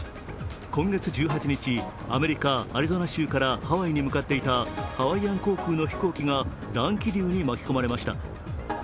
今月１８日、アメリカ・アリゾナ州からハワイに向かっていたハワイアン航空の飛行機が乱気流に巻き込まれました。